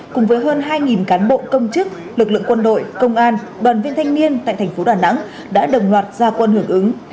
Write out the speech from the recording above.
cùng với hơn hai cán bộ công chức lực lượng quân đội công an đoàn viên thanh niên tại thành phố đà nẵng đã đồng loạt gia quân hưởng ứng